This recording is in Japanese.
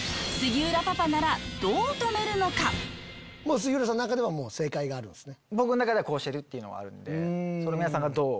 杉浦さんの中ではもう正解があるんすね。